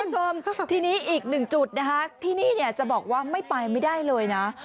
รสลินทุกคนค่ะทีนี้อีกหนึ่งจุดนะฮะทีนี้จะบอกว่าไม่ไปไม่ได้เลยนะ